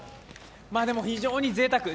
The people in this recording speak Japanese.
でも非常にぜいたく。